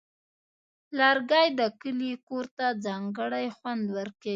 لرګی د کلي کور ته ځانګړی خوند ورکوي.